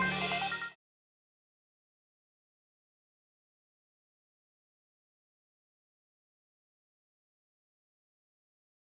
aku bersifat harus ngapain nih